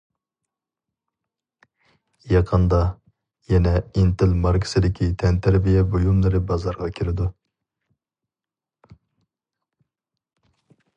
يېقىندا يەنە‹‹ ئىنتىل›› ماركىسىدىكى تەنتەربىيە بۇيۇملىرى بازارغا كىرىدۇ.